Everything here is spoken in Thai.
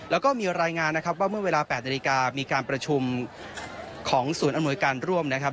แล้วก็มีรายงานนะครับว่าเมื่อเวลา๘นาฬิกามีการประชุมของศูนย์อำนวยการร่วมนะครับ